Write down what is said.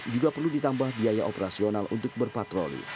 juga perlu ditambah biaya operasional untuk berpatroli